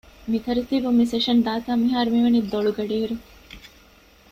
މި ތަރުތީބުން މި ސެޝަން ދާތާ މިހާރު މިވަނީ ދޮޅު ގަޑިއިރު